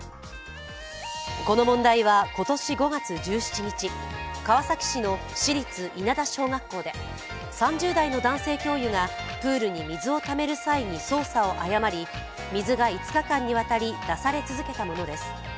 この問題は今年５月１７日、川崎市の市立稲田小学校で３０代の男性教諭がプールに水をためる際に操作を誤り水が５日間にわたり出され続けたものです。